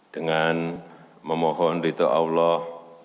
dengan memohon rito allah